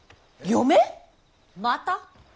また？